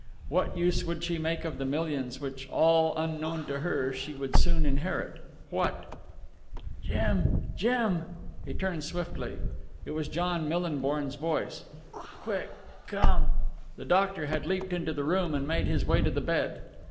What use would she make of the millions which, all unknown to her, she would soon inherit? What "Jim, Jim!" He turned swiftly. It was John Millinborn's voice. "Quick come...." The doctor had leapt into the room and made his way to the bed.